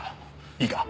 いいか？